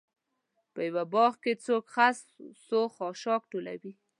په یوه باغ کې څوک خس و خاشاک ټولوي.